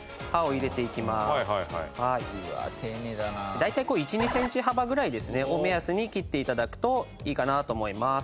大体こう１２センチ幅ぐらいですね目安に切って頂くといいかなと思います。